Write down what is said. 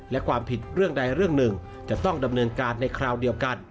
และความผิดเรื่องใดเรื่องหนึ่งจะต้องดำเนินการในคราวเดียวกัน